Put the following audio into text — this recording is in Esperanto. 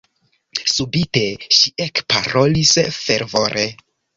Subite ŝi ekparolis fervore: